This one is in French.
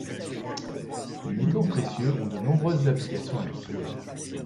Les métaux précieux ont de nombreuses applications industrielles.